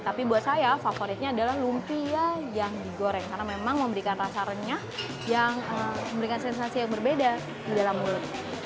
tapi buat saya favoritnya adalah lumpia yang digoreng karena memang memberikan rasa renyah yang memberikan sensasi yang berbeda di dalam mulut